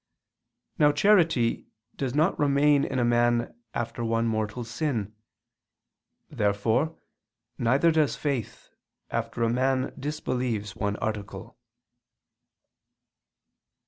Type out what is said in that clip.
Now charity does not remain in a man after one mortal sin. Therefore neither does faith, after a man disbelieves one article.